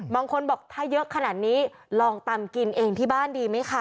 บางคนบอกถ้าเยอะขนาดนี้ลองตำกินเองที่บ้านดีไหมคะ